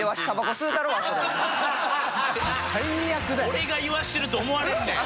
俺が言わせてると思われるねん！